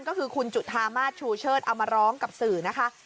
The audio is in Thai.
ก็คือคุณจุธามาสชูเชิดเอามาร้องกับสื่อนะคะ